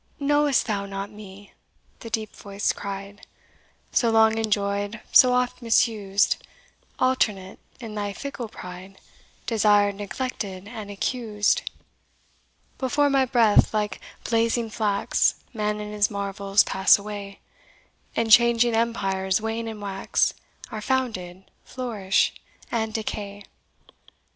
"Know'st thou not me!" the Deep Voice cried, "So long enjoyed, so oft misused Alternate, in thy fickle pride, Desired, neglected, and accused? "Before my breath, like, blazing flax, Man and his marvels pass away; And changing empires wane and wax, Are founded, flourish and decay.